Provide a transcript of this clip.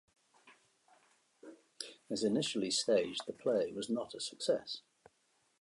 As initially staged, the play was not a success.